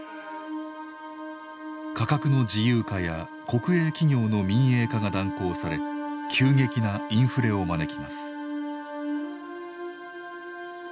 価格の自由化や国営企業の民営化が断行され急激なインフレを招きます。